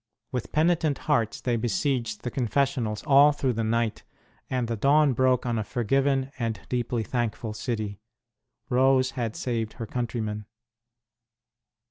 With penitent hearts they besieged the confessionals all through the night, and the dawn broke on a forgiven and deeply thankful city. Rose had saved her countrymen.